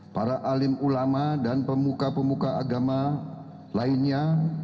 para alim ulama dan pemuka pemuka agama lainnya